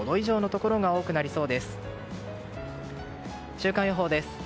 週間予報です。